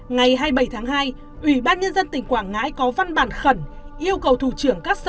ngày hai mươi bảy tháng hai ủy ban nhân dân tỉnh quảng ngãi có văn bản khẩn yêu cầu thủ trưởng các sở